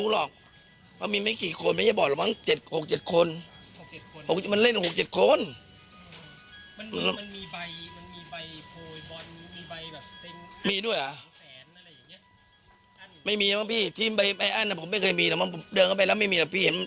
ต่อไปเอ้ยเปิดให้มาเนี่ย